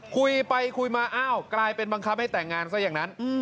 คุยไปคุยมาอ้าวกลายเป็นบังคับให้แต่งงานซะอย่างนั้น